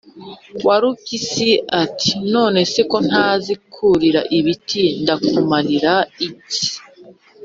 warupyisi iti: “none se ko ntazi kurira ibiti ndakumarira iki? “